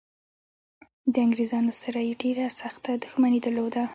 د انګریزانو سره یې ډېره سخته دښمني درلوده.